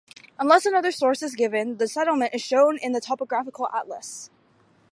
Unless another source is given, the settlement is shown in the topographical atlas.